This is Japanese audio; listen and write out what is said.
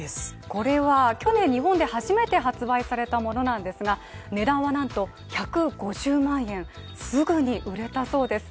これは去年日本で初めて発売されたものなんですが値段はなんと１５０万円すぐに売れたそうです。